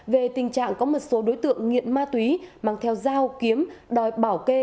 về tình trạng có một số đối tượng nghiện ma túy mang theo dao kiếm đòi bảo kê